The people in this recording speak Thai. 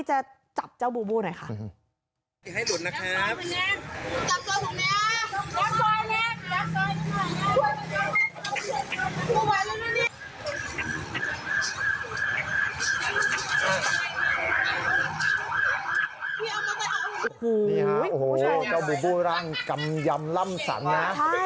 โอ้โหเจ้าบูบูร่างกำยำล่ำสังนะ